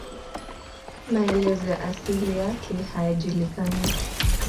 Maelezo ya asili yake hayajulikani.